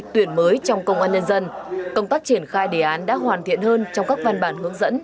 tuyển mới trong công an nhân dân công tác triển khai đề án đã hoàn thiện hơn trong các văn bản hướng dẫn